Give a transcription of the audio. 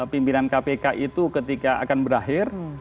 pimpinan kpk itu ketika akan berakhir